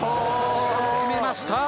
決めました。